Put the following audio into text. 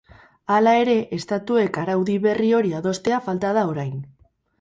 Hala ere, estatuek araudi berri hori adostea falta da orain.